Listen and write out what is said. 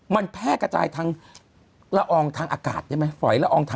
มันแพร่กระจายทาง